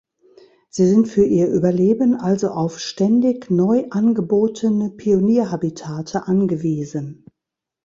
Sie sind für ihr Überleben also auf ständig neu angebotene Pionier-Habitate angewiesen.